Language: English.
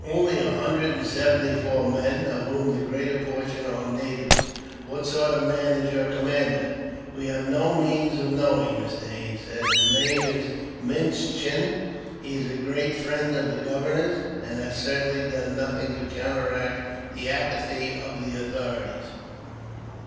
"Only a hundred and seventy four men, of whom the greater portion are natives." "What sort of man is your commander?" "We have no means of knowing," Mr. Haines said. "His name is Minchin. He is a great friend of the governor's, and has certainly done nothing to counteract the apathy of the authorities.